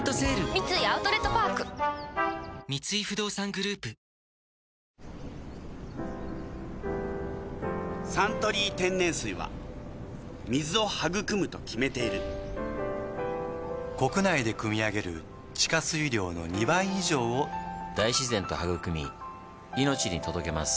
三井アウトレットパーク三井不動産グループ「サントリー天然水」は「水を育む」と決めている国内で汲み上げる地下水量の２倍以上を大自然と育みいのちに届けます